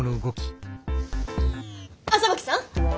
麻吹さん！